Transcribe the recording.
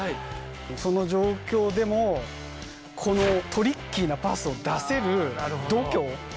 その状況でもこのトリッキーなパスを出せる度胸。